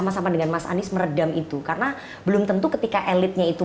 bagaimana anda bisa bersama sama dengan mas anies meredam itu karena belum tentu ketika elitnya itu